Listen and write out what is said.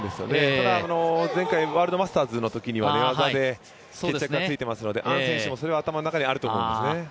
ただ、前回ワールドマスターズのときには寝技で決着がついていますので、アン選手もそれは頭の中にあると思いますね。